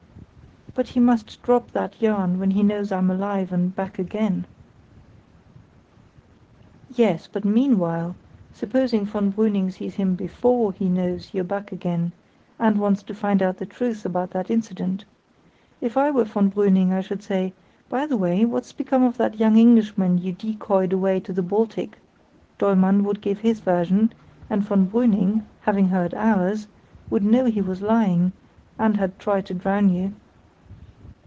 "But he must drop that yarn when he knows I'm alive and back again." "Yes; but meanwhile, supposing von Brüning sees him before he knows you're back again, and wants to find out the truth about that incident. If I were von Brüning I should say, 'By the way, what's become of that young Englishman you decoyed away to the Baltic?' Dollmann would give his version, and von Brüning, having heard ours, would know he was lying, and had tried to drown you."